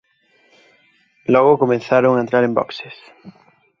Logo comezaron a entrar en boxes.